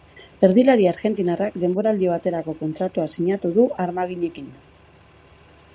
Erdilari argentinarrak denboraldi baterako kontratua sinatu du armaginekin.